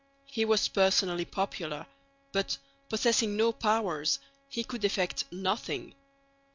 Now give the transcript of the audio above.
He was personally popular, but, possessing no powers, he could effect nothing.